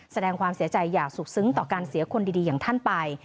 แสดงความเสียใจอย่างสุดซึ้งต่อการเสียคนดีอย่างท่านไป